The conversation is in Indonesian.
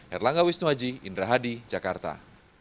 erlangga wisnuaji indra hadi jakarta